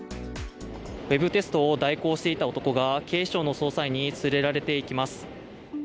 ウェブテストを代行していた男が警視庁の捜査員に連れられていきます。